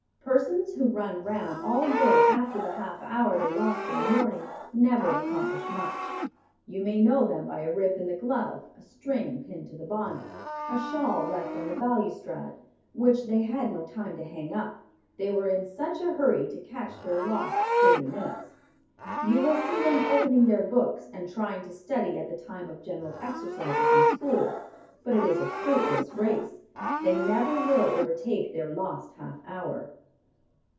Persons who run round all day after the half hour they lost in the morning never accomplish much. You may know them by a rip in the glove, a string pinned to the bonnet, a shawl left on the balustrade, which they had no time to hang up, they were in such a hurry to catch their lost thirty minutes. You will see them opening their books and trying to study at the time of general exercises in school; but it is a fruitless race; they never will overtake their lost half hour.